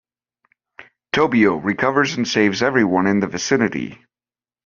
Tobio recovers and saves everyone in the vicinity.